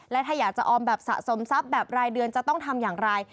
และถ้าอยากจะออมแบบสะสมทรัพย์แบบรายเดือนจะต้องทำอย่างไร